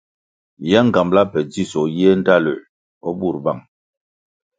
Ye ngambala pe dzisoh yiéh ndtaluer o bur bang.